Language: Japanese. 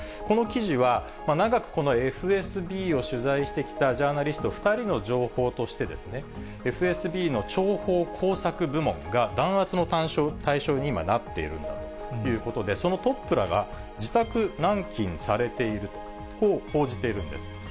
この記事は、長くこのＦＳＢを取材してきたジャーナリスト２人の情報として、ＦＳＢの諜報・工作部門が弾圧の対象に今、なっているんだということで、そのトップらが自宅軟禁されていると、こう報じているんです。